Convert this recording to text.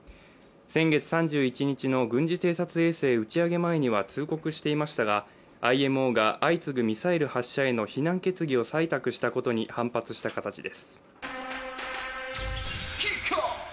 先月３１日の軍事偵察衛星打ち上げ前には通告していましたが、ＩＭＯが相次ぐミサイル発射への非難決議を採択したことに反発した形です。